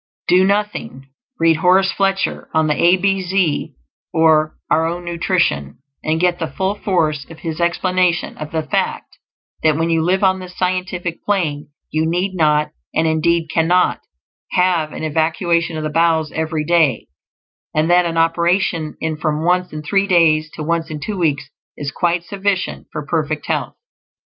Do nothing. Read Horace Fletcher on "The A B Z or Our Own Nutrition," and get the full force of his explanation of the fact that when you live on this scientific plan you need not, and indeed cannot, have an evacuation of the bowels every day; and that an operation in from once in three days to once in two weeks is quite sufficient for perfect health.